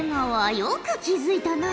よく気付いたな。